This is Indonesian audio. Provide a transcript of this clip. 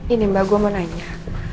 ini mbak gue mau nanya